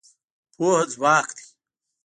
پوهه ځواک دی.